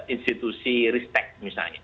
institusi riset teknik misalnya